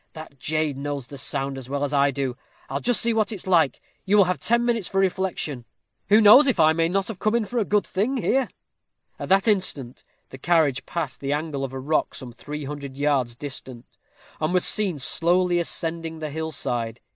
that jade knows the sound as well as I do. I'll just see what it's like! you will have ten minutes for reflection. Who knows if I may not have come in for a good thing here?" At that instant the carriage passed the angle of a rock some three hundred yards distant, and was seen slowly ascending the hill side.